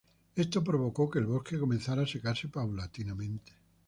Esto provocó que el bosque comenzara a secarse paulatinamente.